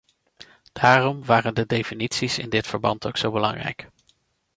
Daarom waren de definities in dit verband ook zo belangrijk.